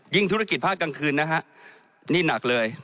ยิ่งธุรกิจพลาดกลางคืนนี่หนักเลย